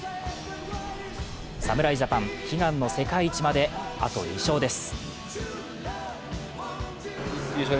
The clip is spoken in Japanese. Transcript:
侍ジャパン、悲願の世界一まであと２勝です。